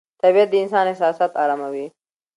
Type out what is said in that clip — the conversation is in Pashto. طبیعت د انسان احساسات اراموي